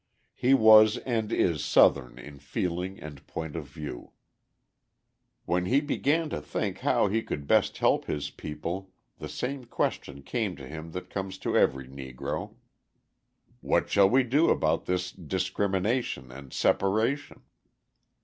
He was and is Southern in feeling and point of view. When he began to think how he could best help his people the same question came to him that comes to every Negro: "What shall we do about this discrimination and separation?"